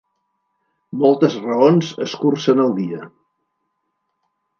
Moltes raons escurcen el dia.